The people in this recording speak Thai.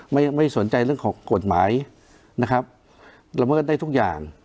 ไม่ไม่สนใจเรื่องของกฎหมายนะครับละเมิดได้ทุกอย่าง